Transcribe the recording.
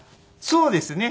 そうですね。